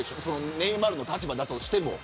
ネイマールの立場だとしても。